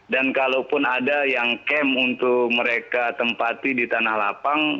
dan kalaupun ada yang camp untuk mereka tempati di tanah lapang